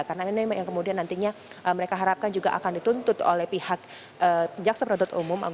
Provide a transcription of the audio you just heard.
karena ini memang yang kemudian nantinya mereka harapkan juga akan dituntut oleh pihak jaksa peruntut umum